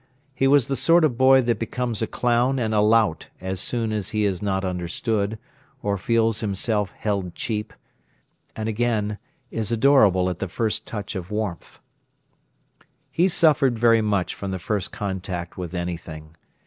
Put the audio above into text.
He was the sort of boy that becomes a clown and a lout as soon as he is not understood, or feels himself held cheap; and, again, is adorable at the first touch of warmth. He suffered very much from the first contact with anything.